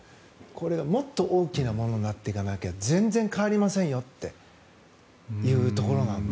もっと大きなものになっていかなきゃ全然変わりませんよというところなんですよ。